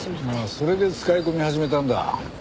それで使い込み始めたんだ。